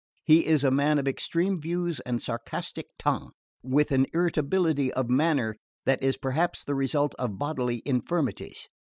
He is a man of extreme views and sarcastic tongue, with an irritability of manner that is perhaps the result of bodily infirmities.